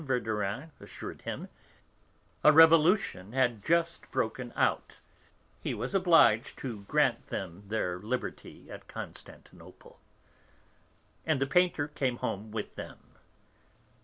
Verdurin assured him, a revolution had just broken out, he was obliged to grant them their liberty at Constantinople. And the painter came home with them.